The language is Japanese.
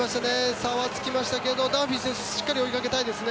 差はつきましたけどダンフィー選手をしっかり追いかけたいですね。